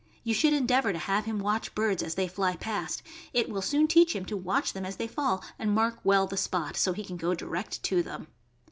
You should endeavor to have him watch birds as they fly past; it will soon teach him to watch them as they fall and mark well the spot, so he can go direct to them.